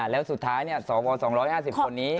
แล้วสุดท้ายสว๒๕๐คนนี้